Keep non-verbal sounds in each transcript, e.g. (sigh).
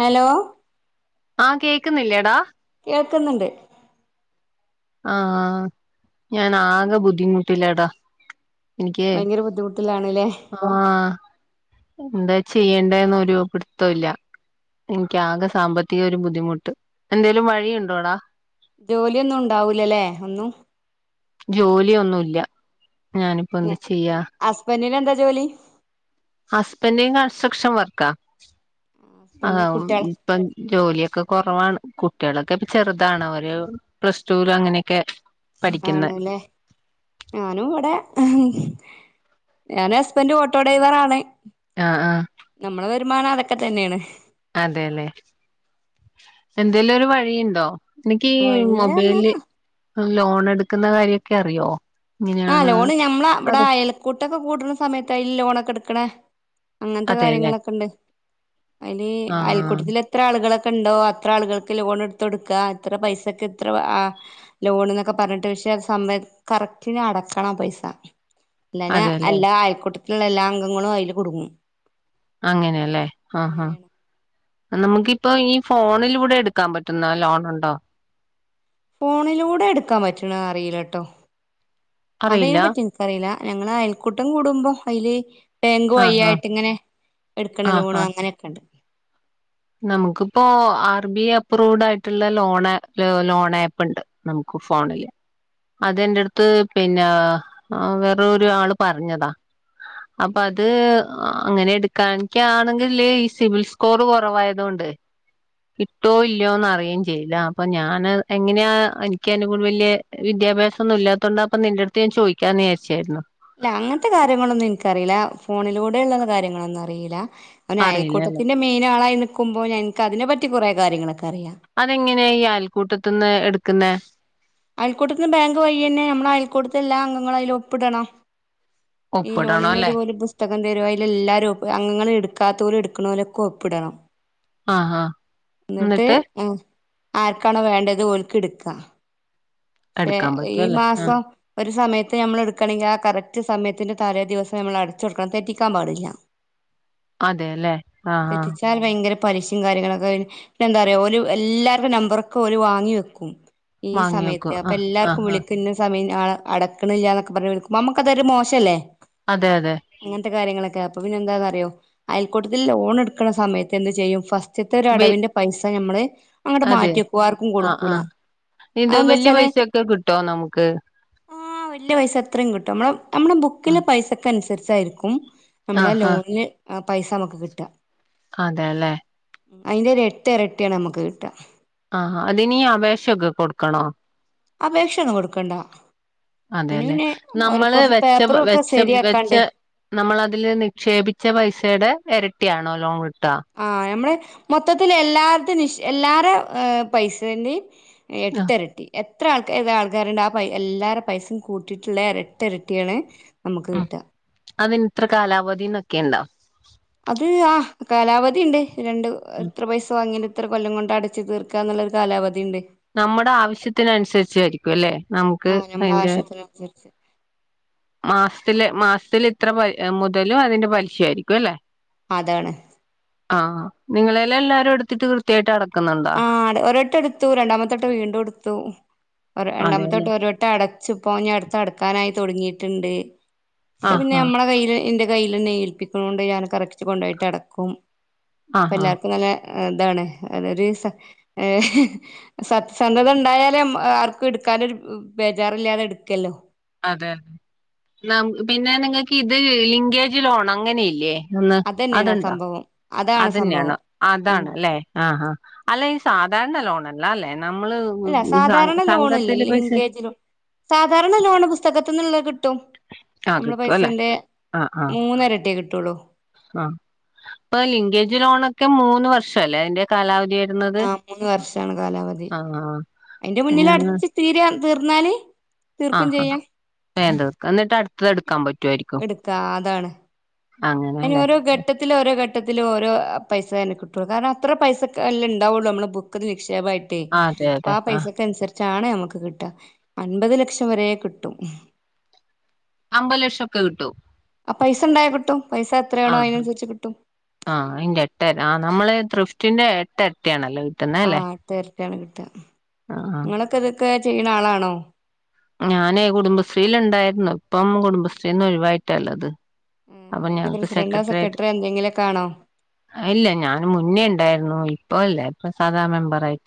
Hello ആഹ് കേക്കുന്നില്ലേടാ കേൾക്കുന്നുണ്ട് ആഹ് ഞാൻ ആക ബുദ്ധിമുട്ടിലാടാ എനിക്ക് ഭയങ്കര ബുദ്ധിമുട്ടിലാണ്ല്ലേ ആഹ് എന്താ ചെയ്യേണ്ടേന്ന് ഒരു പിടുത്തല്ല എനിക്ക് ആകെ സാമ്പത്തിക ഒരു ബുദ്ധിമുട്ട് എന്തേലും വഴി ഉണ്ടോടാ ജോലിയൊന്നും ഉണ്ടാവൂലല്ലേ ഒന്നും ജോലിയൊന്നുല്ല ഞാനിപ്പോ എന്ത് ചെയ്യാ ഹസ്ബൻ്റിന് എന്താ ജോലി ഹസ്ബൻഡിനു കൺസ്ട്രക്ഷൻ വർക്കാ ആ ഹസ്ബൻഡ് കുട്ടികൾ ഇപ്പം ജോലിയൊക്കെ കുറവാണ് കുട്ടികളൊക്കെ ഇപ്പ ചെറുതാണ് അവര് പ്ലസ് ടു അങ്ങനെയൊക്കെ പഠിക്കുന്നെ ആണ്ല്ലേ ഞാനും ഇവിടെ ഞാനും ഹസ്ബൻ്റും ഓട്ടോ ഡ്രൈവറാണ് ആഹ് ആഹ് നമ്മളെ വരുമാനം അതൊക്കെ തന്നെയാണ് അതേല്ലെ എന്തെങ്കിലും ഒരു വഴിണ്ടോ? എനിക്കീ വഴിയ മൊബൈല് പറഞ്ഞാ ലോൺ എടുക്കുന്ന കാര്യൊക്കെ അറിയോ? ആഹ് ഇങ്ങനെയാണ് ലോണ് ഞമ്മള് അവിടെ അതെ അയൽ കൂട്ടൊക്കെ കൂടണ സമയത്തായി ലോണൊക്കെ എടുക്കണ അങ്ങനത്തെ അതെല്ലേ കാര്യങ്ങളൊക്കെണ്ട്. അയില് ആഹ് അയൽക്കൂട്ടത്തിലെത്ര ഇത്ര ആളുകളൊക്കെണ്ടോ അത്ര ആളുകൾക്ക് ലോൺ എട്ത്ത് കൊടുക്ക ഇത്ര പൈസെക്കെ ഇത്ര (unintelligible) ലോണ്ന്നൊക്കെ പറഞ്ഞിട്ട് പക്ഷേ സമയത്ത് കറക് ട്ടിന് അടക്കണം പൈസ. ഇല്ലാഞ്ഞാ അതെല്ലേ എല്ലാ ആയക്കൂട്ടത്തിലുള്ള എല്ലാ അംഗങ്ങളും അതില് കുടുങ്ങും. അങ്ങനേല്ലേ ഹാ ഹാ അങ്ങനെയാണ് നമുക്കിപ്പൊ ഈ ഫോണിലൂടെ എടുക്കാൻ പറ്റുന്ന ലോണുണ്ടോ? ഫോണിലൂടെ എട്ക്കാൻ പറ്റണത് അറിയില്ലാട്ടോ അറിയില്ല അതേനെ പറ്റി എനിക്കറിയില്ല ഞങ്ങള് അയൽക്കൂട്ടം കൂടുമ്പോ അയില് ബേങ്ക് ആഹ് ആഹ് വയിയായിട്ടിങ്ങനെ എടുക്കണ ആഹ് ലോണ് ആഹ് അങ്ങനെയൊക്കെണ്ട്. നമുക്കിപ്പോ ആർ ബി ഐ അപ്രൂവ്ഡ് ആയിട്ടുള്ള ലോൺ ല ലോൺ ആപ്പ്ണ്ട്. നമുക്ക് ഫോണില്. അതെന്റെട്ത്ത് പിന്നേ വേറൊരു ആള് പറഞ്ഞതാ. അപ്പത് അങ്ങനെ എടുക്കാണ്ടിരിക്കാണെങ്കിലല്ലേ ഈ സിബിൽ സ്കോർ കൊറ വായതൊണ്ട് ഇട്ടോ ഇല്ലോന്ന് അറിയേം ചെയ്യില്ല. അപ്പൊ ഞാന് എങ്ങനെയാ എനിക്കനോട്‌ വല്ല്യ വിദ്യാഭ്യാസൊന്നും ഇല്ലാത്തൊണ്ട് അപ്പൊ നിന്റെ അടുത്ത് ഞാ ചദിക്കാന്ന് വിചാരിച്ചായിരുന്നു. ഇല്ല അങ്ങനത്തെ കാര്യങ്ങളൊന്നും എൻക്കറില്ല ഫോണിലൂടെ ഉള്ള കാര്യങ്ങളൊന്നും അറീല്ല. അവന് അറിയില്ലല്ലേ അയൽക്കൂട്ടത്തിന്റെ മെയിൻ ആളായി നിൽക്കുമ്പോ എനക്ക് അതിനെപ്പറ്റി കൊറേ കാര്യങ്ങളൊക്കെ അറിയാം. അതെങ്ങനെയാ ഈ അയൽക്കൂട്ടത്തന്ന് എടുക്കുന്നെ? അയൽക്കൂട്ടത്തിന്ന് ബാങ്ക് വയിയന്നെ. നമ്മള് അൽക്കൂട്ടത്ത് എല്ലാ അംഗങ്ങളും അതില് ഒപ്പിടണം. ഈ ഒപ്പിടണം ലോണിന് അല്ലേ ഒരു ഒരു പുസ്തകം തരും. അതിലെല്ലാവരും ഒപ്പ് അംഗങ്ങൾ എടുക്കാതോരും എടുക്കണോലൊക്കെ ഒപ്പിടണം. ആഹ് ആഹ് എന്നിട്ട് ആർക്കാണോ വേണ്ടത് ഓൽക്കെടുക്കാ. ക്ഷേ എടുക്കാൻ പറ്റും ഈ അല്ലേ ആഹ് മാസം ഒരു സമയത്ത് ഞമ്മള് എടുക്കണെങ്കി ആ കറക്ട് സമയത്തിന്റെ തലേ ദിവസം നമ്മൾ അടച്ചു കൊടുക്കണം. തെറ്റിക്കാൻ പാടില്ല. അതേല്ലെ ആഹ് ആഹ് തെറ്റിച്ചാൽ ഭയങ്കര പലിശേം കാര്യങ്ങളൊക്കെ പിന്നെ പിന്നെന്താറയോ ഓരു എല്ലാരുടേം നമ്പറൊക്കെ ഓല് വാങ്ങി വെക്കും. ഈ വാങ്ങി സമയത്ത് വെക്കും അപ്പൊ ആഹ് എല്ലാർക്കും ആഹ് ആഹ് വിളിക്കുന്ന സമയം ആളെ അട ക്കണില്ല എന്നൊക്ക പറഞ് വിളിക്കും. നമ്മക്കതൊരു മോശാല്ലേ? അതെ അതെ അങ്ങനത്തെ കാര്യങ്ങളൊക്കെ അപ്പൊ പിന്നെ എന്താന്നറിയോ അയൽക്കൂട്ടത്തില് ലോൺ എടുക്കണ സമയത്തെന്ത് ചെയ്യും ഫസ്റ്റ് റ്റത്തെ ഒരു വെ അടവിന്റെ പൈസ നമ്മള് അങ്ങട് അതെ മാറ്റി വെക്കും ആർക്കും ആഹ് കൊടുക്കൂല. ആഹ് ഇത് അതെന്താ വല്യ വെച്ചാല് പൈസയൊക്കെ കിട്ടോ നമുക്ക് ആഹ് വല്യ പൈസ അത്രയും കിട്ടും. നമ്മടെ നമ്മടെ ബുക്കിലെ പൈസക്കനുസരിച്ചായിരിക്കും നമ്മടെ ആഹ് ആഹ് ലോണില് പൈസ നമക്ക് കിട്ടാ. അതേല്ലേ അയിന്റെ ഒരു എട്ടെരട്ടിയാണ് നമ്മുക്ക് കിട്ട. ആഹാ അതിനീ അപേക്ഷൊക്കെ കൊടുക്കണോ? അപേക്ഷയൊന്നും കൊടുക്കണ്ട. അയിന് അതേല്ലെ പിന്നെ ഒരു നമ്മള് കുറച്ച് വെച്ച പേപ്പറും ഒക്കെ വെച്ച വെച്ച ശരിയാക്കാണ്ട് നമ്മളതില് നിക്ഷേപിച്ച പൈസയുടെ എരട്ടിയാണോ ലോൺ കിട്ട? ആ നമ്മുടെ മൊത്തത്തിൽ എല്ലാർത് നി എല്ലാര പൈസന്റിം എട്ടരട്ടി എ എത്ര ആൾക്കാർ ഏത ആൾക്കാരുണ്ട് ആ പ എല്ലാവരുടെ പൈസയും കൂട്ടിയിട്ടുള്ള ഇരട്ട ഇരട്ടിയാണ് നമുക്ക് ആഹ് കിട്ടാ അതിന് ഇത്ര കാലാവധിന്നൊക്കെ ഉണ്ടോ അത് ആ കാലാവധിണ്ട് രണ്ട് എത്ര പൈസ വാങ്ങി ഇത്ര കൊല്ലം കൊണ്ട് അടച്ച് തീർക്കാ എന്നുള്ളൊരു കാലാവധി ഉണ്ട് നമ്മുടെ ആവശ്യത്തിന അനുസരിച്ചായിരിക്കും അല്ലെ നമുക്ക് ആഹ് അതിന്റെ (unintelligible) മാസത്തില് മാസത്തില് ഇത്ര പ മുതലും അതിന്റെ പലിശ ആയിരിക്കും അല്ലേ? അതാണ് ആഹ് നിങ്ങളെല് എല്ലാരും എടുത്തിട്ട് കൃത്യായിട്ട് അടക്കുന്നുണ്ടോ ഒരട്ട എടുത്തു രണ്ടാമത്തട്ട വീണ്ടും എടുത്തു അതെല്ലെ രണ്ടാമത്തെട്ട ഒര വട്ട അടച്ചു ഇപ്പോ ഞി അടുത്ത് അടക്കാനായി തുടങ്ങിയിട്ടുണ്ട് ഒക്കെ ആഹ് പിന്നെ ആഹ് നമ്മടെ കയ്യിൽ ഉന്റെ കയ്യിൽ തന്നെ ഏൽപ്പിക്ണോണ്ട് ഞാൻ കറക്റ്റ് കൊണ്ടുപോയിട്ട് അടക്കും അപ്പൊ ആഹ് ആഹ് എല്ലാർക്കും നല്ല ഇതാണ് അതൊരു സ ഏ സത്യസന്ധത ഉണ്ടായാലേ ആർക്കും എടുക്കാനൊരു ബേജാറില്ലാതെ എടുക്കല്ലോ. അതെ അതെ നാ പിന്നെ നിങ്ങൾക്ക് ഇത് ലിങ്കേജ് ലോൺ അങ്ങനെ ഇല്ലേ? ഒന്ന് അതന്നെയാണ് ആ അതുണ്ടോ സംഭവം അതാണ് സംഭവം അതന്നെയാണ് ഉം അതാണ്ല്ലേ? ആഹാ, അല്ല ഈ ഉം സാധാരണ ലോണല്ല അല്ലേ നമ്മള് അല്ല സംഘ സാധാരണ ലോണല്ല, സംഘത്തില് പൈസ ലിങ്കേജ് ലോൺ സാധാരണ ലോണ് പുസ്തകത്തിന്നുള്ളത് കിട്ടും. ആ നമ്മള കിട്ടും അല്ലെ പൈസന്റെ മൂന്ന എരട്ടി കിട്ടുള്ളൂ ആ, ഇപ്പൊ ലിങ്കേജ് ലോണ ഒക്കെ മൂന്ന് വർഷം അല്ലേ അതിന്റെ കാലാവധിയായി ആഹ, മൂന്ന് വർഷാണ് കാലാവധി ആഹ് അതിന്റെ മുന്നിൽ ഞങ്ങ അടച്ച് തീരാ തീർന്നാല് അ തീർക്കും ആഹാ ചെയ്യാം വേഗം തീർക്കാ എന്നിട്ട് അടുത്തത് എടുക്കാൻ പ എടുക്കാ അതാണ് അയിന് അങ്ങനെല്ലേ ഓരോ ഘട്ട് ഘട്ടത്തില് ഓരോ ഘട്ടത്തിലും ഓരോ പൈസ അയിന് കിട്ടും കാരണം അത്ര പൈസെ ഒക്കെല്ലെ ഉണ്ടാവുള്ളൂ നമ്മൾ ബുക്ക്ന്ന് നിക്ഷേപായിട്ട് ആഹ് അതെ അപ്പൊ അതെ ആ ആഹ് പൈസക്ക് അനുസരിച്ചാണ് നമുക്ക് കിട്ട അൻപത് ലക്ഷം വരെ കിട്ടും അമ്പത് ലക്ഷം ഒക്കെ കിട്ടൂ ആ, പൈസ ഉണ്ടായ കിട്ടും പൈസ എത്രയാണോ അതിനനുസരിച്ച് കിട്ടും ആഹ, അതിന്റെ എട്ട, ആ നമ്മള് തൃഫ്റ്റിന്റെ എട്ട് എരട്ടിയാണല്ലോ കി ആ, എട്ട് എരട്ടിയാണ് കിട്ട ആഹ് നിങ്ങളൊക്കെ ഇതൊക്കെ ചെയ്യ്ണ ആളാണോ? ഞാന് കുടുംബശ്രീൽ ഉണ്ടായിരുന്നു ഇപ്പം കുടുംബശ്രീന്ന് ഒഴിവായിട്ടള്ളത് അപ്പം അതിന്റെ ഞങ്ങക്ക് പ്രസിഡന്റോ സെക്രട്ടറി ആയിട്ട് എന്തെങ്കിലുമൊക്കെ ആണോ ഇല്ല, ഞാൻ മുന്നേ ഉണ്ടായിരുന്നു ഇപ്പോ ഇല്ലേ, ഇപ്പൊ സാദാ മെമ്പറയി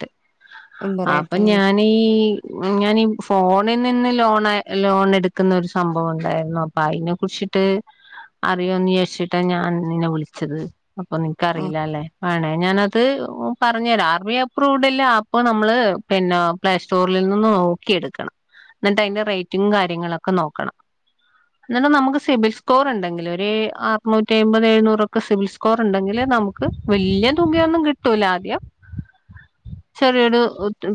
അപ്പൊ മെമ്പറായിട്ടാണല്ലേ ഞാൻ ഈ, ഞാനീ ഫോണിൽ നിന്ന് ലോൺ ലോണ എടുക്കുന്ന ഒരു സംഭവം ഉണ്ടായിരുന്നു അപ്പം. അയ്നെ കുറിച്ചിട്ട് അറിയോന്ന് വിചാരിച്ചിട്ടാ ഞാൻ നിന്നെ വിളിച്ചത്, അപ്പൊ ആ നിനക്കറിയില്ല അല്ലേ വേണേ ഞാനത് ത്ത് പറഞ്ഞരാ ആർമി അപ്രൂവഡ്ല്ല ആപ്പ് നമ്മള്, പിന്നെ പ്ലേ സ്റ്റോറിൽ നിന്നും എടുക്കണം. എന്നിട്ട് അതിന്റെ റേറ്റും കാര്യങ്ങളൊക്കെ നോക്കണം ഇങ്ങട്ട് നമക്ക് സിബിൽ സ്കോർ ഉണ്ടെങ്കിൽ ഒര് അറനൂറ്റി അയ്മ്പത് എഴുന്നൂറൊക്കെ സിവിൽ സ്കോർ ഉണ്ടെങ്കിൽ, നമുക്ക് വല്ല്യ തുകയൊന്നും കി കിട്ടൂലാദ്യം ചെറിയൊരു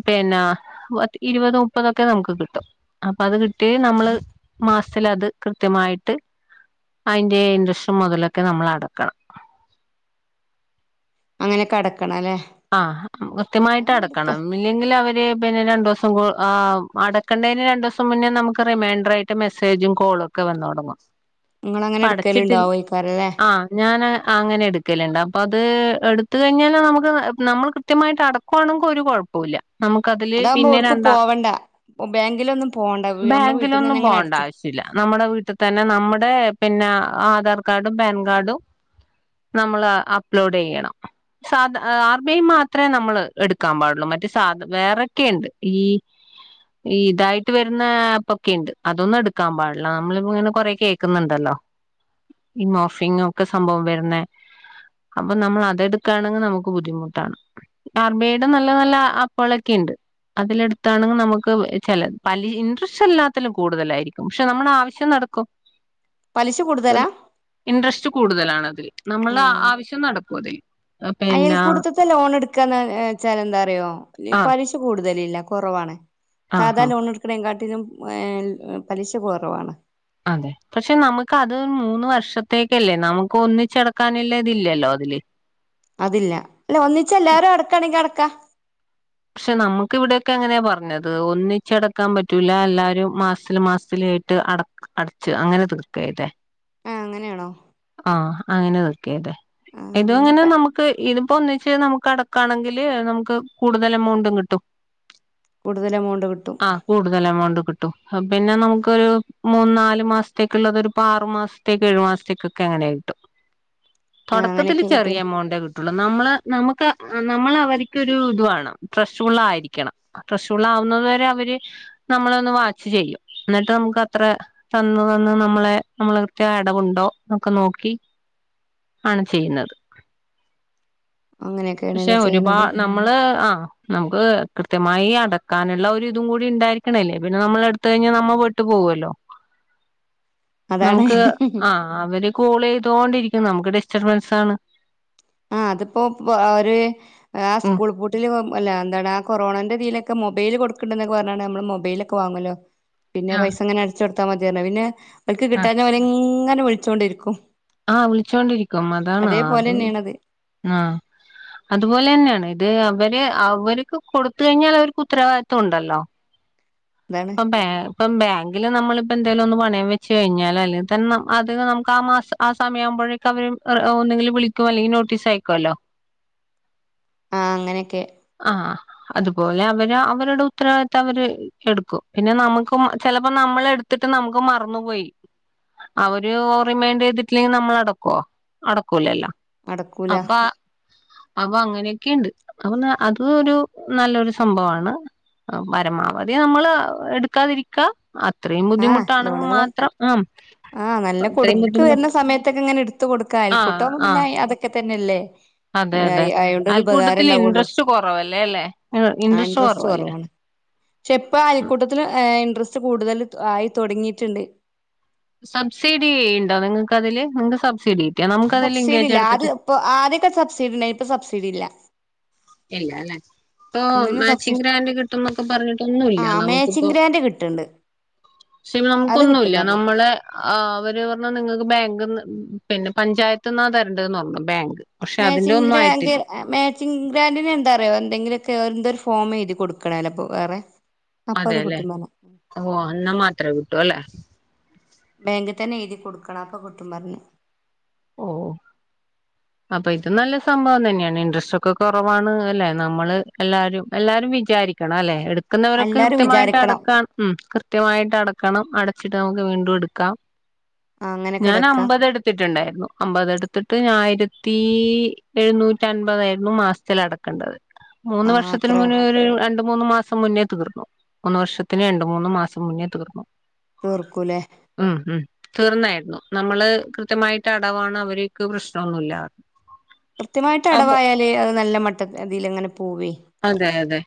പിന്നെ, ഇരുപത് മുപ്പതൊക്കെ നമുക്ക് കിട്ടും. അപ്പൊ അത് കിട്ടിയ നമ്മള് മാസ്ത്തിലത് കൃത്യമായിട്ട് അതിന്റെ ഇൻട്രെസ്റ്റും മുതലൊക്കെ നമ്മൾ അടക്കണം. അങ്ങനെ ക്കെ അടക്കണം ലെ? ആ, കൃത്യമായിട്ട് അടക്കണം. ഇല്ലെങ്കിൽ അവര്, പിന്നെ രണ്ടു ദിവസം കു അടക്കേണ്ടതിന് രണ്ടൂസം മുന്നേ നമുക്ക് റിമൈൻഡർ ആയിട്ട ട്ട് മെസ്സേജും കോളൊക്കെ വന്ന് തുടങ്ങും. ങ്ങള് അങ്ങനെ അപ്പൊ എടുക്കല് അടച്ചിട്ടില്ല ണ്ടാവോയിക്കാരം ലെ? ആഹ് ഞാന് അങ്ങനെ എടുക്കലുണ്ട്. അപ്പൊ അത് എടുത്ത കഴിഞ്ഞാല നമുക്ക്... നമ്മൾ കൃത്യമായിട്ട് അടക്കുവാണെങ്കിൽ ഒരു കുഴ പ്പല്യ. നമുക്ക അതില് അതാകുമ്പോ പിന്നെ എവിടേക്കും രണ്ടാം, പോവണ്ട ബാങ്കിലൊന്നും പോവണ്ട നമ്മുടെ വീട്ടിൽ നിന്ന് ബാങ്കിലൊന്നും തന്നെ അങ്ങനെ പോണ്ട അടച്ച് ആവശ്യ ല്ല. നമ്മുടെ വീട്ടിൽ തന്നെ നമ്മുടെ പിന്നെ ആധാർ കാർഡും പാൻ കാർഡും... നമ്മള് അപ്ലോഡ് ചെയ്യണം. സാധ ആ ബി മാത്രെ നമ്മള് എടുക്കാൻ പാടുള്ളൂ. മറ്റ് സാധ വേറെക്കെയുണ്ട്. ഈ... ഈ ഇതായിട്ട് വരുന്ന ആപ്പ് ഒക്കെ ഉണ്ട്, അതൊന്നും എടുക്കാൻ പാടില്ല. നമ്മളിങ്ങനെ കൊറെ കേ ൾക്ക്ന്നുണ്ടല്ലോ? ഈ മോഫിങ്ങൊക്കെ സംഭവം വരുന്ന... അപ്പ നമ്മളതെടുക്കാണെങ്ങെ നുമുക്ക് ബുദ്ധിമു ട്ടാണ്. ആർ ബി ഐയുടെ നല്ല നല്ല അപ്പളൊക്കെ ഉണ്ട്. അതിലെടുത്താണെങ്കിൽ നമുക്ക് ചില പല ഇൻട്രസ്റ്റ് എല്ലാത്തിലും കൂടുതലായിരിക്കും. പക്ഷെ, നമ്മുടെ ആവശ്യം നടക്കും. പലിശ കൂടുതലാ? ഒരു ഇൻട്രസ്റ്റ് കൂടുതലാണതിൽ. നമ്മള ആവശ്യം നടക്കും അതിൽ. അയൽക്കൂടുത്തത്തെ ലോൺ എടുക്കാന്ന് വെച്ചാൽ എന്താറിയോ? ആഹ് പലിശ കൂടുതലില്ല കുറവാണ്. ആഹ് സാധാ ആഹ് ലോണെടുക്കണേകാട്ടിലും ഏ പലിശ കുറവാണ്. അതെ, പക്ഷെ നമുക്ക് അത് മൂന്ന് വർഷത്തേക്കല്ലേ? നമുക്ക് ഒന്നിച്ചെടക്കാനുള്ള ഇതില്ലല്ലോ അതില്. അതില്ല. അല്ല ഒന്നിച്ച് എല്ലാവരും അടക്കാണെങ്കിൽ അടക്കാ. പക്ഷെ നമുക്ക് ഇവിടൊക്കെ അങ്ങനെയാ പറഞ്ഞത്. ഒന്നിച്ചടക്കാൻ പറ്റൂല. എല്ലാരും മാസത്തില് മാസത്തിലായി ട്ട് അടക്ക് അടച്ച് അങ്ങനെ തീർക്കാ ചെയ്തേ. ആഹ് അങ്ങനെയാണോ? ആഹ് അങ്ങനെ തീർക്കാ ചെയ്തേ? ആ ഇത് അങ്ങനെ അങ്ങനെയൊക്കെ നമുക്ക് ഇതിപ്പോ ഒന്നിച്ച് നമുക്ക് അടക്കാണെങ്കില് നമുക്ക് കൂടു തൽ എമൗണ്ട് കിട്ടും. കൂടുതൽ എമൗണ്ട് കിട്ടും. ആഹ് കൂടുതൽ എമൗണ്ട് കിട്ടും. പിന്നെ നമുക്കൊരു മൂന്നു നാല് മാസത്തേക്കുള്ളത് ഒരു ആറു മാസ ത്തേക്ക് ഏഴുമാസത്തേക്കൊക്കെ അങ്ങനെ കിട്ടും. ആ തുടക്കത്തില് അങ്ങനെയൊക്കെ കിട്ടും ചെറിയ എമൗണ്ടേ കിട്ടുള്ളൂ. നമ്മള് നമുക്ക് നമ്മള് അവര്ക്ക് ഒരു ഇത് വേണം. ട്രഷ്ഫുള്ളായിരിക്കണം. ട്രഷ്ഫുള്ളാവുന്നതുവരെ അവര് നമ്മളൊന്ന് വാച്ച് ചെയ്യും. എന്നിട്ട് നമുക്കത്ര തന്ന് തന്ന് നമ്മളെ നമ്മള് കൃത്യമായ അടവുണ്ടോ എന്നൊക്കെ നോക്കി ആണ് ചെയ്യുന്നത്. പക്ഷെ അങ്ങനെയൊക്കെയാണല്ലേ ഒരുപാ ചെയ്യണത് ന മ്മള് ആഹ് നമുക്ക് കൃത്യമായി അടക്കാനുള്ള ഒരു ഇതും കൂടി ഉണ്ടായിരിക്കണല്ലേ. പിന്നെ നമ്മള് എടു ത്ത് കഴിഞ്ഞാ നമ്മ പെട്ട് പോവല്ലോ. അതാണ് നമുക്ക് ആഹ് അവര് കോൾ ചെയ്തോണ്ടിരിക്കും. നമുക്ക് ഡിസ്റ്റർബൻസ് ആണ്. ആഹ് അതിപ്പോ ഒര് ആഹ് ഉം സ്കൂൾ പൂട്ടില് അല്ല എന്താണ് ആ കൊറണന്റെ ഇതിലൊക്കെ മൊബൈൽ കൊടുക്കണ്ടന്ന് പറഞ്ഞാണ്ട് നമ്മൾ മൊബൈലൊക്കെ വാങ്ങല്ലോ പിന്നെ ആഹ് പൈസ അങ്ങനെ അടച്ചു കൊടുത്താ മതി പറഞ്ഞ്. പിന്നെ അവൽക്ക് ആഹ് കിട്ടാഞ്ഞാവര് ഇങ്ങനെ വിളിച്ചോണ്ടിരിക്കും. ആഹ് വിളിച്ചോണ്ടിരിക്കും. അതാണ് അത് അതേപോലെന്നെയാണത് ആഹ് അതുപോലെ തന്നെയാണ്. ഇത് അവര് അവരക്ക് കൊടുത്തു കഴിഞ്ഞാൽ അവർക്ക് ഉത്തരവാദിത്വം ഉണ്ടല്ലോ. അതാണ് അപ്പം ബാ ഇപ്പം ബാങ്കില് നമ്മളിപ്പോ എന്തേലും ഒന്ന് പണയം വെച്ച് കഴിഞ്ഞാല് അല്ലെങ്കിൽ തന്നെ അത് നമുക്ക് ആ മാസം ആ സമയം ആകുമ്പോഴേക്കും അവര് ഒന്നെങ്കില് വിളിക്കും അല്ലെങ്കിൽ നോട്ടീസ് അയക്കുമല്ലോ. ആഹ് അങ്ങനെയൊക്കെ. ആഹ്. അതുപോലെ അവര് അവരുടെ ഉത്തരവാദിത്വം അവര് എടുക്കും. പിന്നെ നമുക്കും ചിലപ്പോ നമ്മള് എടു ത്തിട്ട് നമുക്ക് മറന്നുപോയി. അവര് റിമയ്ൻഡ് ചെയ്തി ട്ടില്ലെങ്കി നമ്മള് അടക്കോ? അടക്കൂലല്ല. നടക്കൂല അപ്പ അപ്പൊ അങ്ങനെയൊക്കെയുണ്ട്. അപ്പൊ അത് ഒരു നല്ലൊരു സംഭവമാണ്. ആഹ് പരമാവധി നമ്മൾ എടുക്കാതിരിക്കാ. അത്രയും ആഹ് ബുദ്ധിമുട്ടാണെങ്കിൽ ലോണുകള് മാത്രം ഉം അത്രയും ബുദ്ധിമുട്ട് ട്ടൊക്കെ ഇങ്ങനെ എടുത്ത് കൊടുക്കാ. ആഹ് അയൽക്കൂട്ടാവുമ്പേ പിന്നെ ആഹ് അതൊക്കെ തന്നെയല്ലേ. അതെ അതെ. അയോണ്ടൊരു ഉപകാരം അയൽക്കൂട്ടത്തില് ഉണ്ടാവുള്ളൂ ഇൻട്രസ്റ്റ് കുറവല്ലേലെ. ആ ഇൻട്രസ്റ്റ് കുറവല്ലേ. കുറവാണ് (unintelligible) പക്ഷെ ഇപ്പ അയൽക്കൂട്ടത്തിൽ ഏഹ് ഇൻട്രസ്റ്റ് കൂടുതൽ ആയി തുടങ്ങിയിട്ടുണ്ട്. സബ്സിഡി ഉണ്ടോ നിങ്ങൾക്ക് അതില്. നിങ്ങക്ക് സബ്സിഡി കിട്ടിയാക നമുക്ക് അതില് സബ്സിഡി ലിങ്കേജ് ഇല്ല എടുത്തിട്ട് ആദ്യം ഇപ്പൊ ആദ്യക്കെ സബ്സിഡി ഉണ്ടായിരുന്നു. ഇപ്പൊ സബ്സിഡി ഇല്ല. ഇല്ല അല്ലെ. ഇപ്പൊ ഒന്നിനും മാച്ചിങ് സബ്സിഡി ഗ്രാൻഡ് കിട്ടുംന്നൊക്കെ പറഞ്ഞിട്ടൊന്നുല്ല ആഹ് നമുക്കിപ്പോ. മാച്ചിങ് ഗ്രാന്റ് കിട്ടണ്ട് പക്ഷെ അത് കിട്ടും നമുക്കൊന്നൂല്ല പറഞ്ഞു നമ്മള്. ആഹ് അവര് പറഞ്ഞു നിങ്ങക്ക് ബാങ്ക്ന്ന് പിന്നെ പഞ്ചായത്ത്ന്നാ തരേണ്ടതെന്ന് പറഞ്ഞു ബാങ്ക്. പക്ഷെ അതിന്റെ മ്യാച്ചിങ്ങ് ഒന്നും ഗ്രാൻ്റ് ആയിട്ടില്ല മ്യ ച്ചിങ്ങ് ഗ്രാൻ്റിനെന്താറിയോ എന്തെങ്കിലൊക്കെ എന്തോ ഒരു ഫോം എഴുതി കൊടുക്കണല്ലപ്പോ വേറെ. അപ്പൊ അത് അതെല്ലേ. കിട്ടും പറഞ്ഞു ഓഹ് അന്നാ മാത്രേ കിട്ടൂ അല്ലെ. ബാങ്കി തന്നെ എഴുതി കൊടുക്കണം. അപ്പൊ കിട്ടും പറഞ്ഞ്. ഓഹ്. അപ്പൊ ഇത് നല്ല സംഭവം തന്നെയാണ് ഇൻട്രസ്റ്റ് ഒക്കെ കുറവാണ് അല്ലേ നമ്മള് എല്ലാരും എല്ലാരും വിചാരിക്കും അല്ലെ എടുക്കുന്നവരൊക്കെ എല്ലാരും കൃത്യമായിട്ട് വിചാരിക്കണം അടുക്കാണ് കൃത്യമായിട്ട് അടക്കണം അടച്ചിട്ട് നമുക്ക് വീണ്ടും എടുക്കാം അങ്ങനെ ഞാൻ കിടക്ക അമ്പത് എടുത്ത് ത്തിട്ടുണ്ടായിരുന്നു അമ്പത് എടുത്തിട്ട് ഞായിരത്തി എഴുന്നൂറ്റി അൻപത ആയിരുന്നു മാസത്തിൽ അടക്കേണ്ടത് മൂന്ന് ആ വർഷത്തിന് അത്ര മുന്നേ ഒരു രണ്ട മൂന്ന് മാസം മുന്നേ തീർന്നു മൂന്ന് വർഷത്തിന് രണ്ടു മൂന്ന് മാസം മുന്നേ തീർന്നു തീർക്കൂലേ ഉം ഉം തീർന്നായിരുന്നു നമ്മള് കൃത്യമായി അടവാണ് അവരക്ക് പ്രശ്നമൊന്നുമില്ല കൃത്യമായിട്ട് അപ്പൊ അടവായാലേ അത് നല്ല മട്ട ഇതിൽ ഇങ്ങനെ പോവേ അതെ അതെ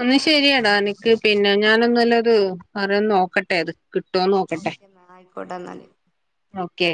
ഒന്ന് ശെരിയടാ എനിക്ക് പിന്നെ ഞാനൊന്നല്ലത് അറിയന്ന് നോക്കട്ടെ അത് കിട്ടോന്ന് നോക്കട്ടെ ഓക്കെ എന്നാ ആയിക്കോട്ടെ എന്നാല് ഓക്കെ